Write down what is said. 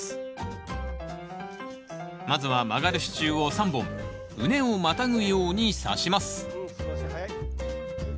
まずは曲がる支柱を３本畝をまたぐようにさします